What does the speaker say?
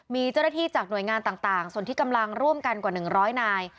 มีเจ้าหน้าที่จากหน่วยงานต่างส่วนที่กำลังร่วมกันกว่า๑๐๐นาย